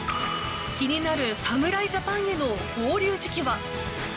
気になる侍ジャパンへの合流時期は。